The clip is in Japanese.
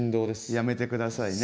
やめてくださいね。